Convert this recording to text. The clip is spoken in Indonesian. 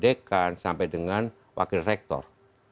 dekan sampai dengan wakil rektor